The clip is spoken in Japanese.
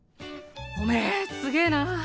⁉おめぇすげぇな。